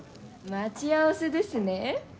待ち合わせですね？